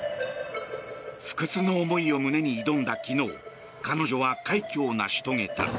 不屈の思いを胸に挑んだ昨日彼女は快挙を成し遂げた。